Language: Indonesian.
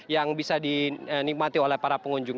yang bisa dinikmati oleh para pengunjung